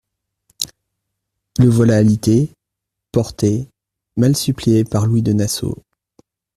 Le voilà alité, porté, mal suppléé par Louis de Nassau.